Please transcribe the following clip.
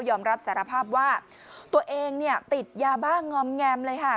อมรับสารภาพว่าตัวเองเนี่ยติดยาบ้างอมแงมเลยค่ะ